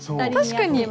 確かに。